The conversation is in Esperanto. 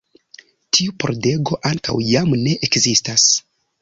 Tiu pordego ankaŭ jam ne ekzistas.